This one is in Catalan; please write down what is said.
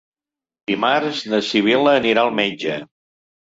Dimarts na Sibil·la anirà al metge.